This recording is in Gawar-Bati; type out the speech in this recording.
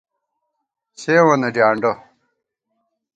سېوں وَنہ ڈیانڈہ